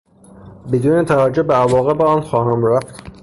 بدون توجه به عواقب آن خواهم رفت.